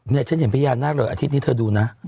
นี่เรื่องพญานาคเลยอาทิตย์นี้เธอดูนะ